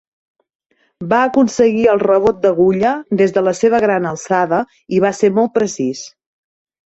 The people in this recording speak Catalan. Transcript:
Va aconseguir el rebot d'agulla des de la seva gran alçada i va ser molt precís.